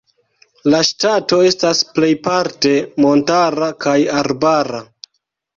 La ŝtato estas plejparte montara kaj arbara.